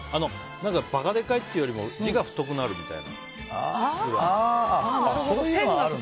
馬鹿でかいというよりも字が太くなるみたいな。